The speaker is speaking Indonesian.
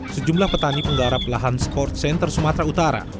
sejumlah petani penggara pelahan sports center sumatera utara